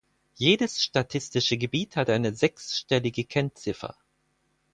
Jedes Statistische Gebiet hat eine sechsstellige Kennziffer.